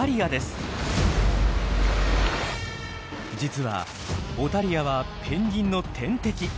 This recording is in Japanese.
実はオタリアはペンギンの天敵。